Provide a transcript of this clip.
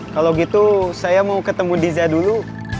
kalau gitu saya mau ketemu diza dulu